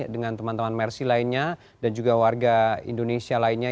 dengan teman teman mersi lainnya dan juga warga indonesia lainnya